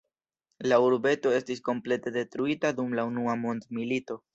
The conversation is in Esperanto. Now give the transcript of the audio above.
La urbeto estis komplete detruita dum la unua mondmilito.